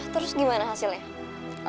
terus gimana hasilnya